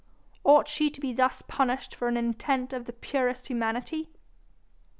Ought she to be thus punished for an intent of the purest humanity?